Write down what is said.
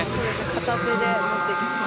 片手で持っていきました。